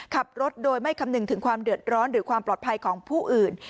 ขับรถโดยไม่คำนึงถึงความเดือดร้อนหรือความปลอดภัยของผู้อื่น